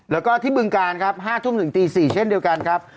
แล้วก็ที่บึงการครับ๕ทุ่มถึงตี๔เช่นเดียวกันครับ